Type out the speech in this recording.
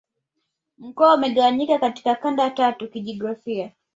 Mkoa umegawanyika katika kanda tatu kijiografia